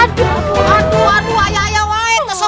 aduh aduh aduh tidak bisa